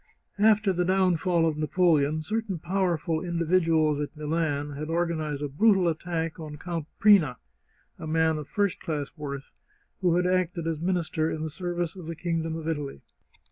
After the downfall of Napoleon certain powerful individuals at Milan had or ganized a brutal attack on Count Prina, a man of first class worth, who had acted as minister in the service of the King of Italy.